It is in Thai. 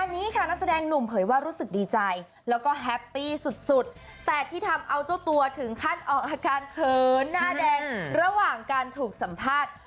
อันนี้ค่ะนักแสดงหนุ่มเผยว่ารู้สึกดีใจแล้วก็แฮปปี้สุดแต่ที่ทำเอาเจ้าตัวถึงขั้นออกอาการเขินหน้าแดงระหว่างการถูกสัมภาษณ์